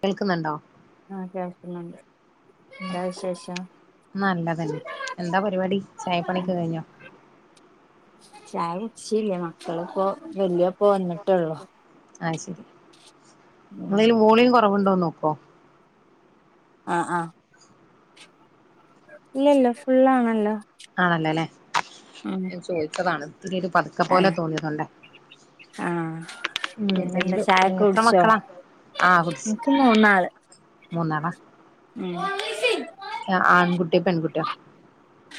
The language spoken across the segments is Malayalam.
കേൾക്കുന്നുണ്ടോ? ആഹ് കേൾക്കുന്നുണ്ട്. എന്താ വിശേഷം? നല്ലതന്നെ. എന്താ പരിപാടി, ചായപ്പണി ഉം ഒക്ക കഴിഞ്ഞോ? ചായ കുടിച്ചീല്ല്യ. മക്കളിപ്പോ വല്യോ ഇപ്പൊ വന്നിട്ടൊള്ളു. ആഹ് ശരി. ഇങ്ങളേല് വോളിയം കൊറവുണ്ടോന്ന് നോക്കോ. ആഹ് ആഹ്. ഇല്ലല്ലോ ഫുള്ളാണല്ലോ. ആണല്ലോ ല്ലേ. ഉം ഞാൻ ചോയിച്ചതാണ് ഇത്തിരി ഒര് പതുക്കെ പോലെ ആഹ് തോന്നിയതോണ്ടേ. ആഹ് ഉം പിന്നെന്താ എന്തു ഏഹ് ചായൊക്കെ എത്ര കുടിച്ചോ മക്കളാ ആഹ് കുടിച്ച്. എനിക്ക് മൂന്നാള് മൂന്നാളാ. ഉം. ഏഹ് ആൺകുട്ടിയൊ പെൺകുട്ടിയൊ?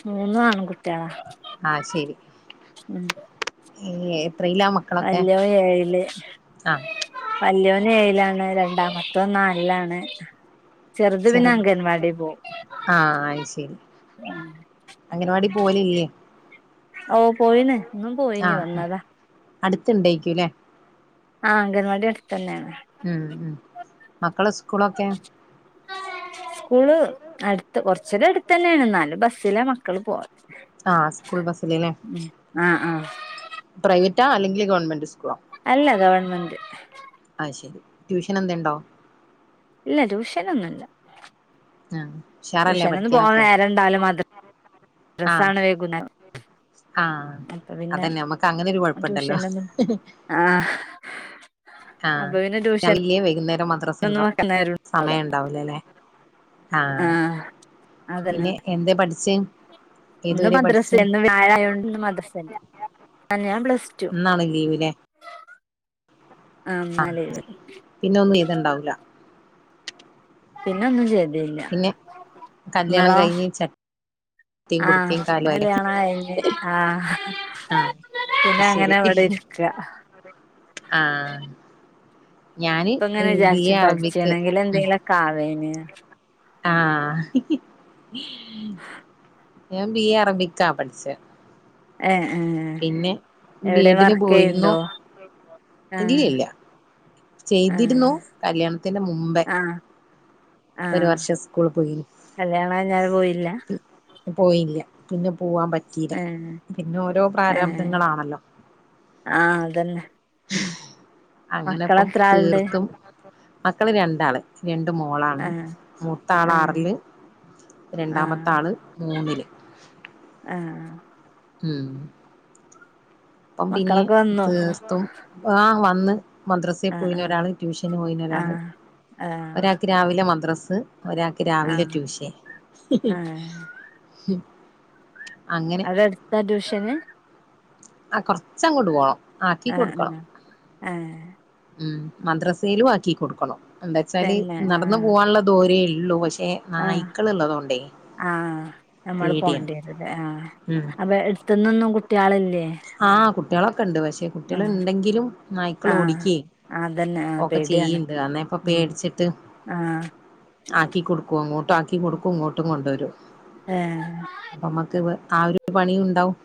മൂന്നു ആണ്കുട്ട്യേളാ. ആഹ് ശരി. എത്രീലാ മ വല്ല്യോൻ ഏഴില്. വല്യോന് ഏഴിലാണ് രണ്ടാമത്തോൻ നാലിലാണ്. പിന്നെ ചെറുത് അംഗൻവാടി പോവും ആഹ് അയി ശരി. അംഗനവാടി പോവലില്ല്യേ. ഓഹ് പോയീണ്. ഇന്നും പോയിനി വന്നതാ. അടുത്ത് ഇണ്ടേയ്ക്ക്യു ല്ലേ. ആഹ് അംഗൻവാടി അടുത്തന്നേണ്. ഉം ഉം മക്കള് സ്കൂളൊക്കെ സ്കൂള് അടുത്ത് കൊർച്ചൊരു അടുത്തന്നെയാണ് എന്നാലും ബസ്സില മക്കള് പോവാ ആഹ് സ്കൂൾ ബസ്സില് ല്ലേ ആഹ് ആഹ് പ്രൈവറ്റാ അല്ലെങ്കിൽ ഗവൺമെന്റ് സ്കൂളോ അല്ല ഗവൺമെന്റ് അത് ശരി ട്യൂഷൻ എന്തോ ഉണ്ടോ ഇല്ല ട്യൂഷനൊന്നും ഇല്ല ആഹ് ഉഷാറല്ലേ ട്യൂഷനൊന്നും പോകാൻ പഠിക്കാനൊക്കെ നേരം ഉണ്ടാവൂല മദ്ര ആഹ് മദ്രസ്സാണ് വൈകുന്നേരം ആഹ് അപ്പൊ പിന്നെ അതന്നെ അമ്മക്ക് അങ്ങനൊരു കൊഴപ്പണ്ടല്ലോ ട്യൂഷനൊന്നും ആഹ് ആഹ് അപ്പൊ പിന്നെ ട്യൂഷനൊന്നും രാവിലയും വൈകുന്നേരം മദ്രസ് ണ്ട് വെക്കാൻ നേരം സമയണ്ടാവൂലല്ലേ ആഹ് അതന്നെ പിന്നെ എന്തേ പഠിച്ചേ ഇന്ന് ഏതുവരെ മദ്രസ് പഠിച്ചേ ഇല്ല ഇന്ന് വ്യാഴായൊണ്ട് ഇന്ന് മദ്രസ് ഇല്ല അ ഞാൻ പ്ലസ് ടു ഇന്നാണ് ലീവില്ലേ ആഹ് ഇന്നാ ലീവ് പിന്നെ ഒന്നും ചെയ്ത് ഇണ്ടാവൂല പിന്നൊന്നും ചെയ്തില്ല പിന്നെ കല്യാണം ഇങ്ങളോ? കഴിഞ്ഞ് ചട്ടിയും ആഹ് കുടുക്കയും കാലും പിന്നെ ആയില്ലേ കല്യാണായിലെ ആഹ് ആഹ് അത് പിന്നെ ശരി അങ്ങനെ ഇവടെ ഇരിക്ക ആഹ് ഞാന് ഇപ്പ ഉം ബി എ അറബിക് കാവേന് ആഹ് ഞാൻ ബി എ അറബിക്കാ പഠിച്ചേ എ ഏഹ് ബി എവിടേലും എഡിന് വർക്ക് പോയിരുന്നു ചെയ്യുണ്ടോ ഇല്ല ഏഹ് ഇല്ല ചെയ്തിരുന്നു കല്യാണത്തിന്റെ മുമ്പേ ആഹ് ഒരു ആഹ് വർഷം സ്കൂള് പോയി കല്യാണം കഴിഞ്ഞാല് പോയില്ല പോയില്ല പിന്നെ പോവാൻ പറ്റീല ഏഹ് പിന്നോരോ ഏഹ് പ്രാരാബ്ദങ്ങളാണല്ലോ ആഹ് അതന്നെ അങ്ങനെ ഇപ്പം മക്കളെത്ര ആളുണ്ട് തീർത്തും മക്കള് രണ്ടാള് രണ്ട് മോളാണ് ആഹ് ആഹ് മൂത്താളാറില് ആഹ് രണ്ടാമത്താള് മൂന്നില്. ആഹ്. ഉം ഇപ്പം പിന്നെ മക്കളൊക്കെ വന്നോ തീർത്തും ആഹ് വന്ന് മദ്രസിൽ ആഹ് പോയി ആഹ് ഒരാള് ട്യൂഷന് പോയി നി ഒരാള് ആഹ് ഒരാൾക്ക് രാവിലെ മദ്രസ് ഒരാൾക്ക് ആഹ് രാവിലെ ആഹ് ട്യൂഷൻ ആഹ് അങ്ങനെ ഇവടെ അടുത്താ ട്യൂഷന് ആ കൊറച്ചങ്ങട്ടു പോണം ആക്കി ആഹ് കൊടുക്കണം ആഹ് ആഹ് ഉം മദ്രസേലും ആക്കി കൊടുക്കണം എന്താച്ചാല് തന്നെ നടന്ന് ആഹ് പോവാന്ള്ള ദൂരേയുള്ളൂ പക്ഷേ ആഹ് ആഹ് ഞമ്മള് പേടിയാണ് പോവേണ്ടി വരൂല്ലേ ആഹ് ഉം അപ്പ എട്ത്ത്ന്നൊന്നും കുട്ട്യാളില്ലേ ആഹ് കുട്ടികള് ഒക്കെ ഉണ്ട് പക്ഷെ കുട്ട്യാള് ഉണ്ടെങ്കിലും നായ്ക്കള് ആഹ് ഓടിക്കേ അതന്നെ ആഹ് ഒക്കെ പേടിയാണ് ചെയ്യ്ണ്ട് കാരണ ഇപ്പ ഉം പേടിച്ചിട്ട് ആഹ് ആക്കി കൊടുക്കും അങ്ങോട്ടും ആക്കി കൊടുക്കും ഇങ്ങോട്ടും കൊണ്ടോരും. ഏഹ് അപ്പ അമ്മക്ക് [unintelligible] പണിണ്ടാവും.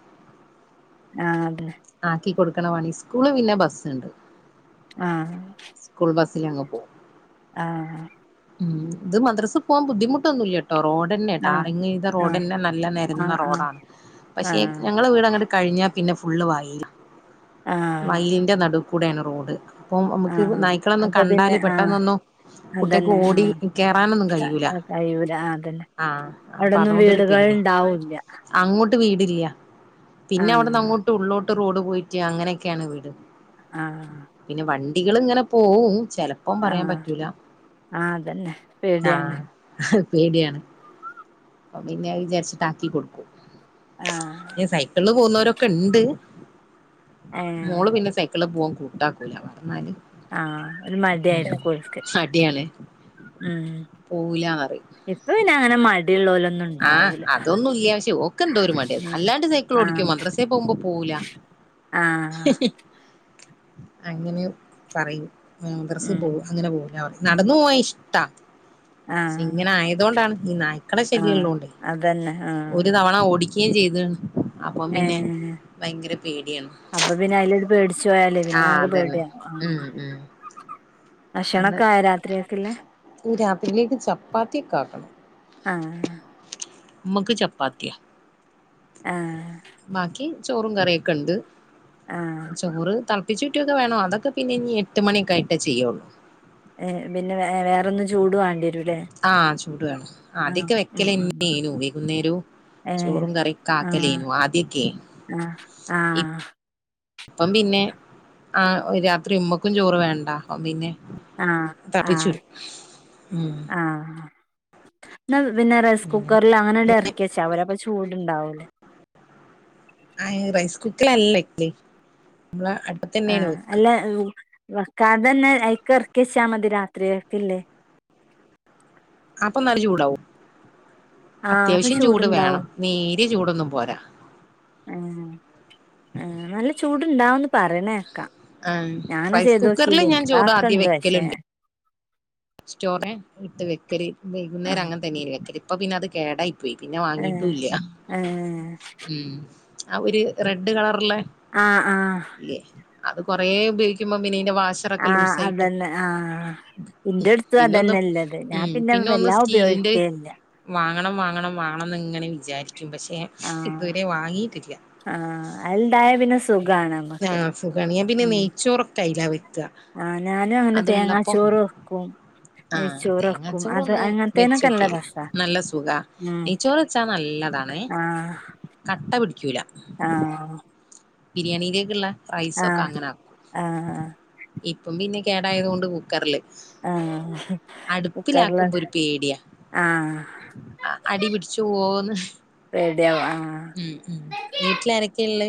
ആഹ് ആക്കി കൊടുക്കണപണി സ്കൂള് പിന്നെ ബസ്ണ്ട് ആഹ്. സ്കൂൾ ബസ്സിലങ്ങ് പോകും. ആഹ് ഇത് മന്ത്രസ്സ് പോവാം ബുദ്ധിമട്ടൊന്നുല്ല ട്ടോ റോഡന്നെ ആഹ് ടാറിംഗ് ചെയ്ത ആഹ് റോഡെന്നെ നല്ല നേരന്ന ആഹ് ആഹ് റോഡാണ് പക്ഷെ ആഹ് ഞങ്ങള് വീടങ്ങട് കഴിഞ്ഞാ പിന്നെ ഫുള്ള് വയലാ ആഹ്. വയലിൻ്റെ നടൂക്കൂടേണ് റോഡ്. അപ്പൊ അമ്ക്ക് ആഹ് നായ്ക്കളൊന്നും അപ്പൊ പിന്നെ കണ്ടാല് ആഹ് പെട്ടെന്നൊന്നും കുട്ട്യാക്ക് അതന്നെ ഓടി ആഹ് കേറാനൊന്നും കയൂല. കഴിയൂല അതന്നെ അവിടൊന്നും അതോണ്ടൊരു വീടുകൾ പേടി ഇണ്ടാവൂല്ല അങ്ങോട്ട് വീടില്ല പിന്നെ അവിടുന്ന് ആഹ് അങ്ങോട്ട് ഉള്ളിലോട്ട് റോഡ് പോയിട്ട് അങ്ങനെയൊക്കെയാണ് വീട് ആഹ് പിന്നെ വണ്ടികള് ഇങ്ങനെ പോവും ചില ലപ്പം പറയാൻ ആഹ് പറ്റൂല ആഹ് അതന്നെ പേടിയാണ് ആഹ് പേടിയാണ് അപ്പ പിന്നെ വിചാരിച്ചിട്ടാക്കി കൊടുക്കും ആഹ് സൈക്കിളിൽ പോകുന്നവരൊക്കെ ഇണ്ട് ഏഹ് മോള് പിന്നെ സൈക്കി ക്ക്ള് പോവാൻ കൂട്ടാക്കൂല പറഞ്ഞാല് ആഹ് ഒരു മടി ഉം ആയിരിക്കും ഓൽക്ക് ഉം പോവൂല്ലാന്ന് പറയും ഇപ്പ പിന്നെ അങ്ങനെ മടിയുള്ളോലൊന്നും ആഹ് ഉണ്ടാവൂല അതൊന്നുല്ല പക്ഷെ ഓക്ക് എന്തോരു മടി ഉം അല്ലാണ്ട് സൈക്കി ഓടിക്കും ആഹ് മദ്രസ പോമ്പോ പോവൂല ആഹ് അങ്ങനെയും പറയും മദ്രസ ഉം പോകും അങ്ങനെ പോകും നടന്നു പോവാൻ ഇഷ്ടാ ആഹ് ഇങ്ങനെ ആയതൊണ്ടാണ് ഈ നായ്ക്കടെ ശല്യം ആഹ് ഉള്ളോണ്ട് അതന്നെ ഒരു ആഹ് തവണ ഓടി ക്കയും ചെയ്താണ് അപ്പം പിന്നെ ഏഹ് ഭയങ്കര പേടിയാണ് അപ്പൊ പിന്നെ അയിലട് പേടിച്ചു പോയാലേ പിന്നെ ആഹ് ആകെ അതന്നെ പേടിയാവും ആഹ് ഉം ഉം അങ്ങനെ ഭക്ഷണൊക്കെ ആയോ രാത്രികക്കില്ലേ രാത്രിലേക്ക് ചപ്പാത്തിയൊക്കെ ആക്കണം ആഹ് ആഹ് ഞമ്മക്ക് ചപ്പാത്തിയ ആഹ് ബാക്കി ചോറും കറിയൊക്കെണ്ട് ആഹ് ചോറ് തെളപ്പിച്ചുറ്റൊക്കെ വേണം അതൊക്കെ പിന്നെ ഇനി എട്ട് മണിയൊക്കായിട്ടേ ചെയ്യുള്ളൂ ഏഹ് പിന്നെ വേറൊന്നും ചൂട് വേണ്ടി വരൂല്ലേ ആഹ് ചൂട് വേണം ആഹ് ആദ്യൊക്കെ ഉം വെക്കല് ഉം തന്നെനു വൈകുന്നേരേം ഏഹ് ചോറും കറിയക്കെ ആഹ് ആക്കലേനു ആദ്യൊക്കെ ആഹ് ആഹ് അപ്പം പിന്നെ ആഹ് ഒരു രാത്രി ഉമ്മക്കും ചോറ് വേണ്ട അപ്പം പിന്നെ ആഹ് തൾപ്പിച്ച് ആഹ് ഊറ്റും ഉം എന്നാ പിന്നെ റെസ് അങ്ങനെ കുക്കറില് അങ്ങനെങ്‌ട് എറക്കി വെച്ചാ പോരെ ചൂട് ഉണ്ടാവൂലേ അയ്ന് റൈസ് കുക്കർല് അല്ലേല്ലേ [unintelligible] ആഹ് അല്ല വക്കാതെ തന്നെ അയിക്ക് എറക്കി വച്ചാ മതി രാത്രികക്ക്ല്ലേ അപ്പൊ നല്ല ചൂടാവും ആഹ് അപ്പൊ അത്യാവശ്യം ചൂട് വേണം ചൂടുണ്ടാവും നേരിയ ചൂടൊന്നും പോരാ ഏഹ് ഏഹ് നല്ല ചൂടുണ്ടാവുന്ന് പറിണേക്കാ ആഹ് ഞാന അത് റൈസ് കുക്കറിൽ ചെയ്തോക്കില്ലേ ഞാൻ ഇൻക്ക് ചോറ് ആദ്യം അതൊക്കെണ്ട് വെക്കലുണ്ട് പക്ഷേ സ്റ്റോറെ ഇട്ട് വെക്കലു വൈകുന്നേരം ആഹ് അങ്ങന തന്നെയ വെക്കല് ഇപ്പൊ പിന്നെ അത് കേടായി പോയി പിന്നെ ഏഹ് വാങ്ങിയിട്ടുല്ല ഏഹ് ഉം ആ ഒരു റെഡ് കളറ്ള്ള ആഹ് ആഹ് അത് കൊറേ ഉപയോഗിക്കുമ്പൊ പിന്നതിന്റെ വാഷ ആഹ് അതന്നെ ആഹ് ഇന്റെ അട്ത്തും പിന്നെ ഒന്ന് അതന്നെല്ലത് ഞാൻ ഉം പിന്നെ ഒന്ന് വല്ലാ സ്റ്റീലിന്റെ ഉപയോഗിക്കലില്ല വാങ്ങണം വാങ്ങണം വാങ്ങണം ഇങ്ങനെ വിചാരിക്കും പക്ഷെ ആഹ് ഇതുവരെ വാങ്ങിയിട്ടില്ല ആഹ് അതുണ്ടായ പിന്നെ സുഖാണ് നമ്മക്ക് ആഹ് സുഖാണ് ഞാൻ പിന്നെ ഉം നെയ്ച്ചോറൊക്കെ അയില വെ- ആഹ് ഞാനും അങ്ങനെ തേങ്ങാച്ചോറ് വെക്കും ആഹ് നെയ്ച്ചോറ് വെക്കും അത് തേങ്ങാച്ചോറൊന്നും വെച്ച് അങ്ങനത്തേനൊക്കെ നല്ല നോക്കയില്ല രസാ നല്ല സുഖാ ഉം നെയ്യ്ച്ചോറ് വെച്ചാ നല്ലതാണ് ആഹ് കട്ട പിടിക്കൂല ആഹ് ബിരിയാണിയിലേക്കുള്ള റൈസൊക്കെ ആഹ് അങ്ങനെ ആക്കും ആഹ് ഇപ്പം പിന്നെ കേടായത് കൊണ്ട് കുക്കറ്ല് ആഹ് കുക്കറില് അടുപ്പിലാക്കുമ്പൊ ഒരു പേടിയാ ആഹ് അടി പിടിച്ചു പോവോന്ന് റെഡിയാവും ആഹ് ഉം വീട്ടില് ആരെക്കെയ ഉള്ള?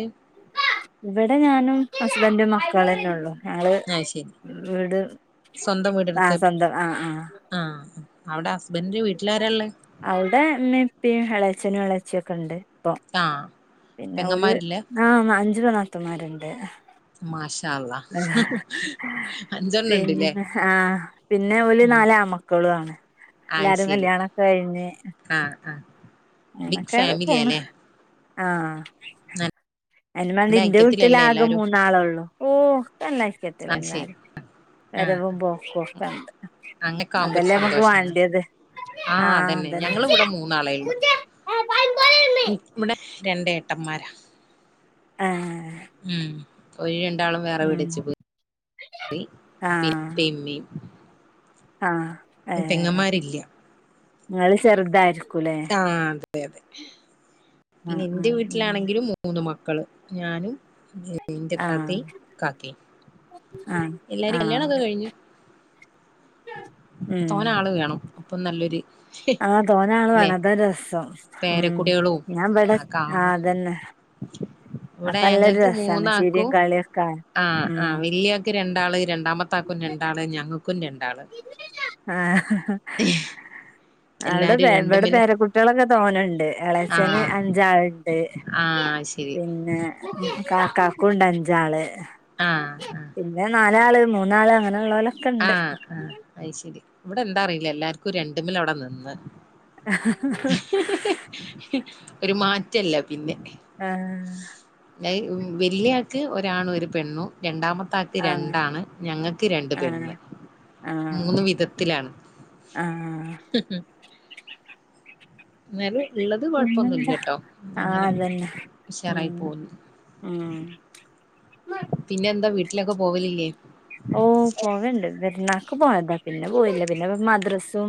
ഇവടെ ഞാനും ഹസ്ബൻറും മക്കളന്നെ ഉള്ളൂ ഞങ്ങള് ആഹ് ശരി വീട് സ്വന്തം ആ വീടെടുത്ത് സ്വന്തം ആഹ് ആഹ് ആഹ് അവടെ ഹസ്ബൻ്റിന്റെ വീട്ടിലാരള്ളേ? അവ്ടെ ഇമ്മിം ഇ പ്പിം എളച്ചനും എളച്ചി ഒക്കെ ഇണ്ട് ആഹ് പിന്നെ ഓല് പെങ്ങന്മാരില്ലേ ആ അഞ്ച് നാത്തൂമാര്ണ്ട് മാഷാ അള്ളാ അഞ്ചെണ്ണം ഉണ്ട്ല്ലേ പിന്നെ ആ പിന്നെ ഓല് ഉം നാലാമ ക്കളു ആണ് ആഹ് എല്ലാരും ശരി കല്യാണൊക്കെ ആഹ് ആഹ് ബിഗ് അങ്ങനെക്കാണ് പോണ് ഫാമിലിയാല്ലേ ആഹ് അയ്ന് മാണ്ടി നല്ല ഇന്റെ ഐക്യത്തിലല്ലേ വീട്ടിലാകെ എല്ലാരും മൂന്നാളൊള്ളു ഓഹ് കന്നക്കത്തില്ല ആഹ് ശരി എല്ലാരും ആഹ് വരവും പോക്കും ഒക്കെ അങ്ങൊക്കെ ആവുമ്പോ ഒരു അതെല്ലെ നമക്ക് സന്തോഷാണ് വാണ്ടിയത് ആഹ് അതന്നെ ഞങ്ങൾ ഇവടെ മൂന്നാളെ ഉള്ളു ഇവടെ രണ്ട് ഏട്ടന്മാരാ ഏഹ് ഉം ഓര് രണ്ടാളും വേറെ ഉം വീടെച്ച് പോയി പ്പിം ആഹ് ഇമ്മിം ആഹ് ഏഹ് പെങ്ങന്മാരില്ല ഇങ്ങൾ ചെറുതായിരി ആഹ് അതെ അതെ പിന്നെ ആഹ് ഇൻ്റെ ആഹ് ഉം വീട്ടിലാണെങ്കിലും മൂന്ന് മക്കള് ഞാനും ഇന്റെ ആഹ് ഇത്താത്തയും കാക്കയും, ആഹ് എല്ലാരും ആഹ് കല്യാണമൊക്കെ കഴിഞ്ഞു. ഉം തോനെ ആള് വേണം, അപ്പൊ നല്ലൊരു. ആഹ് തോനെ ആള് ല്ലേ വേണം, അതാ രസം. ഉം, പേരക്കുട്ടികളും ഞാൻ ഇവിടെ ഒക്കെ ആഹ് ആവുമ്പോ അതെന്നെ. അപ്പോ ഇവിടെ നല്ലൊരു ഞങ്ങക്ക് രസാണ് ചിരിയും മൂന്നാക്കും കളിയൊക്കെ കാണാൻ, ഉം. ക്ക് രണ്ടാള് രണ്ടാമത്തെ ആക്കും രണ്ടാള് ഞങ്ങൾക്കും രണ്ടാള്. ആഹ് അവിടെ എല്ലാരും പേ ഇവിടെ രണ്ടുമ്മല് പേരക്കുട്ടികളൊക്കെ തോനുണ്ട്, ഇളയച്ചന് ആഹ് അഞ്ചാളുണ്ട്. ആഹ് ശരി. കാക്കാക്കും ഉണ്ട് അഞ്ചാള് ആഹ് ആഹ് പിന്നെ നാ നാലാള് മൂന്നാള് അങ്ങനെ ഉള്ള പോലെ. ആഹ് ആഹ് അയ് ശരി, ഇവിടെ എന്താ അറിയില്ല എല്ലാർക്കും രണ്ടുമോൽ അവിടെ നിന്ന്. ആഹ് ഒരു മാറ്റയില്ല പിന്നെ. ആഹ് ലായ് വലിയ ആളുക്ക് ഒരാണും ഒരു പെണ്ണും രണ്ടാമത്തെ ആളുക്ക്. ആഹ് രണ്ടാണ്, ഞങ്ങൾക്ക് രണ്ട് ആഹ് പെണ്ണ് ആഹ് മൂന്ന് വിധത്തിലാണ്. ആഹ് എന്നാലും ഉള്ളത് പിന്നെന്താ കൊഴപ്പൊന്നുമില്ലട്ടോ ആഹ് അങ്ങനെ അതന്നെ ഉം ഉഷാറായി പോന്നു. ഉം പിന്നെ എന്താ വീട്ടിലൊക്കെ പോവാലില്ലേ? ഓഹ് പോവുണ്ട് പെരുന്നാളുക്ക് പോയതാ, പിന്നെ പോയില്ല പിന്നെ ഇപ്പൊ മദ്രസും.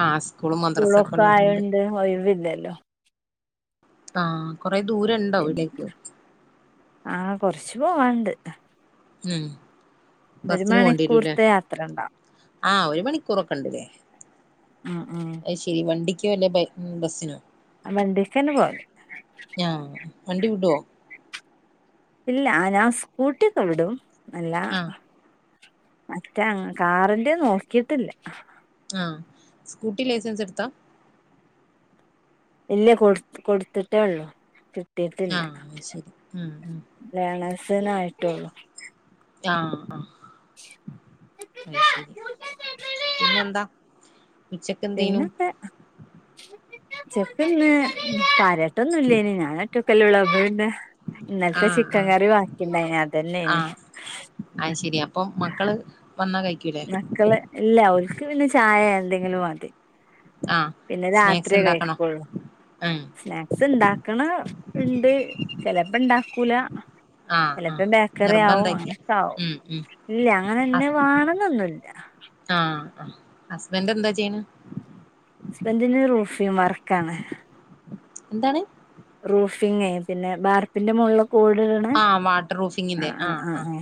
ആഹ് സ്കൂളും മദ്രസും ഒക്കെ ഉള്ളപ്പോൾ. ഒഴിവില്ലല്ലോ? ആഹ് കൊറെ ദൂരമുണ്ടോ വീട്ടിലേക്ക്? ആഹ് കൊറച്ച് പോവുണ്ട്. ഉം ബസ്സിന് പോവേണ്ട വരൂല്ലേ, മണിക്കൂർത്തെ യാത്ര ഉണ്ടാവും ആഹ് ഒരു മണിക്കൂറൊക്കെ ഉണ്ടാല്ലേ? ഉം ഉം അയ് ശരി വണ്ടിക്കോ വരുന്നേ ബൈ ബസ്സിനോ? ആഹ് വണ്ടിക്ക് തന്നെ പോരും. ഞാ വണ്ടി വിടോ? ഇല്ല ഞാൻ സ്കൂട്ടിയൊക്കെ വിടും അല്ല. ആഹ് മറ്റേ അങ്ങ് കാറിന്റെ നോക്കിട്ടില്ല. ആഹ് സ്കൂട്ട് ലൈസൻസ് എടുത്തോ? ഇല്ല കൊടു കൊടുത്തിട്ടേ ഒള്ളൂ, കിട്ടിട്ടില്ല. ആഹ് അത് ശരി ഉം ഉം ലേർണേഴ്സിന് ആയിട്ടോള്ളൂ. ആഹ് അത് ശരി പിന്നെ എന്താ. പിന്നെന്താ ഉച്ചയ്ക്ക് ഇന്ന് കാര്യട്ടൊന്നും ഇല്ലേനി ഞാന്. ഒറ്റയ്ക്കല്ലേ ഉള്ള അപ്പോ പിന്നെ ഇന്നലത്തെ ആഹ് ചിക്കൻ ആഹ് കറി ബാക്കി ഉണ്ടായിനി അതെന്നെ ഇനി. അയ് ശരി അപ്പോ മക്കള് വന്നാൽ കഴി മക്കള് ഇല്ല ഓലുക്ക് പിന്നെ ചായ എന്തെങ്കിലും മതി. ആഹ് പിന്നെ സ്നാക്സ് രാത്രി ഇണ്ടാക്കണോ കഴിക്കോള്ളൂ, ഉം സ്നാക്സ് ഉണ്ട്. ക്കേണ് ഇണ്ട് ചെലപ്പോ ഇണ്ടാക്കൂല. ആഹ് ചെലപ്പോ ആഹ് ബേക്കറി ആവും, നിർബന്ധല്ല അങ്ങനൊക്കെ ആവും ഉം ഉം ഇല്ല അങ്ങനെ തന്നെ ഹസ് വേണോന്ന്. ഇല്ല ആഹ് ഹസ്ബന്റ് എന്താ ചെയ്യണ് ഹസ്ബന്റ് ന് റൂഫിംഗ് വർക്ക് ആണ് എന്താണ് റൂഫിങ്ങേ പിന്നെ ബാർപ്പിന്റെ മോളിലൊക്കെ ഓട് ഇടുന്ന ആഹ് ആ ആ ആ ആ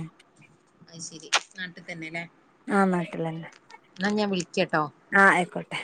അയ്ശെരി നാട്ടി തന്നെല്ലേ ആഹ് നാട്ടില്ലേന്നേ എന്നാ ഞാൻ വിളിക്കാട്ടോ ആ ആയിക്കോട്ടെ